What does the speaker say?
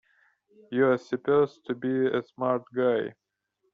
You're supposed to be a smart guy!